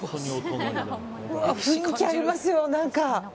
雰囲気ありますよ。